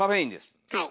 はい。